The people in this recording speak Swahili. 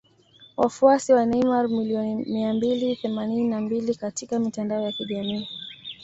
Wafuasi wa Neymar milioni mia mbili themanini na mbili katika mitandao ya kijamii